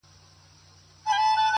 گراني ټوله شپه مي!